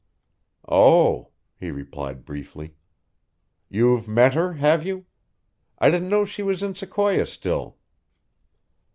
"Oh," he replied briefly. "You've met her, have you? I didn't know she was in Sequoia still."